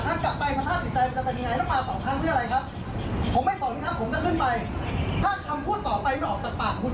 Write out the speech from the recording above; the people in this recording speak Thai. ถ้าคำพูดต่อไปไม่ออกจากปากคุณ